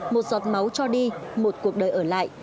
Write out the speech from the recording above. một giọt máu cho đi một cuộc đời ở lại